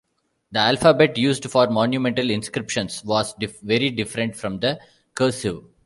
The alphabet used for monumental inscriptions was very different from the cursive.